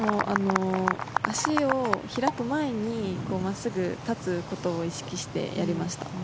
足を開く前に真っすぐ立つことを意識してやりました。